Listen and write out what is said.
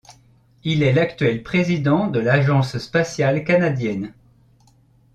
Il est l'actuel président de l'Agence spatiale canadienne.